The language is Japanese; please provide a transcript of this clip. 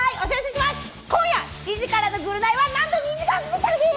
今夜７時からの『ぐるナイ』はなんと２時間スペシャルです。